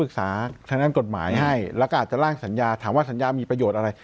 ทางด้านกฎหมายให้แล้วก็อาจจะล่างสัญญาถามว่าสัญญามีประโยชน์อะไร